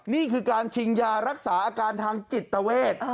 นี่คือการชิงยารักษาอาการทางจิตเวท